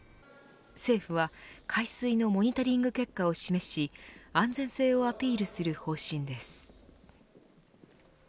政府は海水のモニタリング結果を示し安全性をアピールする方針です。